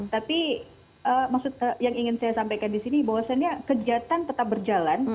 tapi maksud yang ingin saya sampaikan di sini bahwasannya kejahatan tetap berjalan